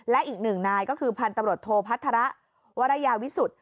และอีกหนึ่งนายก็คือพันธุ์ตำรวจโทพัฒระวรยาวิสุทธิ์